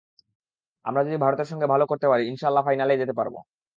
আমরা যদি ভারতের সঙ্গে ভালো করতে পারি, ইনশা আল্লাহ ফাইনালে যেতে পারব।